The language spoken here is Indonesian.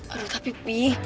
aduh tapi bi